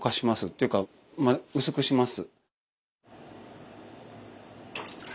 ていうか薄くします。